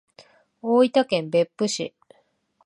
大分県別府市